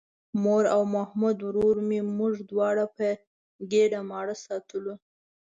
مور او محمود ورور مې موږ دواړه په ګېډه ماړه ساتلو.